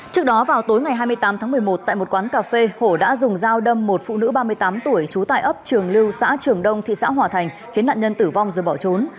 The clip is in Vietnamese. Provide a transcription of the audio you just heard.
trước đó vào tối ngày hai mươi tám tháng một mươi một tại một quán cà phê hổ đã dùng dao đâm một phụ nữ ba mươi tám tuổi trú tại ấp trường lưu xã trường đông thị xã hòa thành khiến nạn nhân tử vong rồi bỏ trốn